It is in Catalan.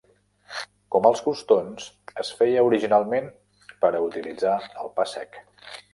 Com els crostons, es feia originalment per a utilitzar el pa sec.